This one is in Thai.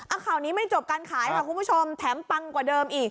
ข่าวนี้ไม่จบการขายค่ะคุณผู้ชมแถมปังกว่าเดิมอีก